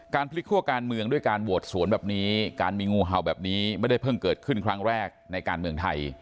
พลิกคั่วการเมืองด้วยการโหวตสวนแบบนี้การมีงูเห่าแบบนี้ไม่ได้เพิ่งเกิดขึ้นครั้งแรกในการเมืองไทย